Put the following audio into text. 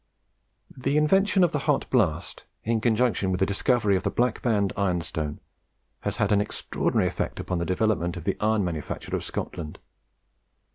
The invention of the hot blast, in conjunction with the discovery of the Black Band ironstone, has had an extra ordinary effect upon the development of the iron manufacture of Scotland.